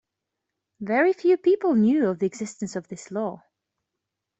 Very few people knew of the existence of this law.